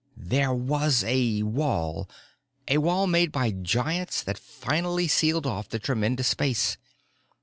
There was a wall, a wall made by giants that finally sealed off the tremendous space.